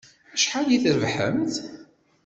Acḥal i d-trebḥemt?